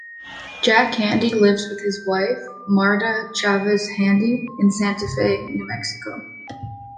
Jack Handey lives with his wife, Marta Chavez Handey, in Santa Fe, New Mexico.